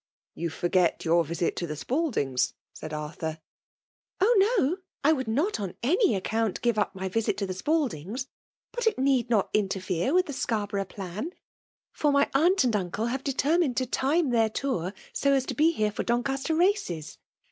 " You forget your visit to the Spaldings/* said Arthur. *' Oh ! no — I would not, on any account, give up my visit to the Spaldings. But it need not interfere with the Scarborough plan ; FBMALA DOMINATION. 37 my aunt and unde have determined to time their Umt, so as to be here for Doncaster races.